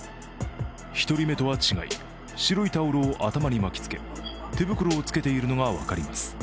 １人目とは違い白いタオルを頭に巻きつけ、手袋を着けているのが分かります。